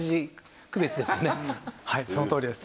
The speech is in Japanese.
はいそのとおりです。